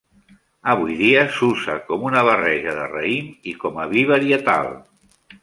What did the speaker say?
Avui dia s'usa com una barreja de raïm i com a vi varietal.